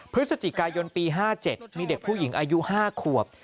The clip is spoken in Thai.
พฤศจิกายนปี๕๗มีเด็กผู้หญิงอายุ๕ขวบ